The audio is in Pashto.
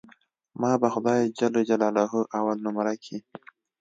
ما به خداى جل جلاله اول نؤمره کي.